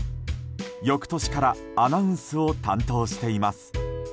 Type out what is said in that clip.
翌年からアナウンスを担当しています。